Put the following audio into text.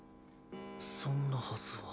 そんなはずは。